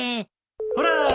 ほら